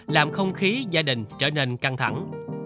làm không khí gia đình trở nên căng thẳng